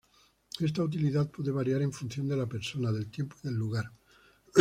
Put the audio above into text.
Esta utilidad puede variar en función de la persona, del tiempo y del lugar.